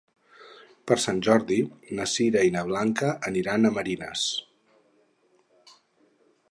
Per Sant Jordi na Sira i na Blanca aniran a Marines.